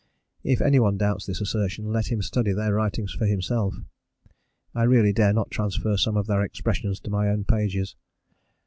If any one doubts this assertion, let him study their writings for himself. I really dare not transfer some of their expressions to my own pages.